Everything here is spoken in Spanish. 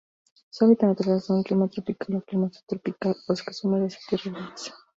Su hábitat natural son: Clima tropical o Clima subtropical, bosques húmedos de tierras bajas.